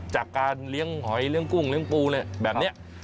จากการเลี้ยงหอยเลี้ยงกุ้งเลี้ยงปูเลยแบบนี้